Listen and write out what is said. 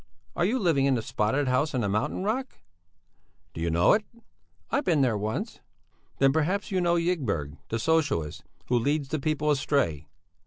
Are you living in the spotted house on the mountain rock?" "Do you know it?" "I've been there once." "Then perhaps you know Ygberg, the Socialist, who leads the people astray?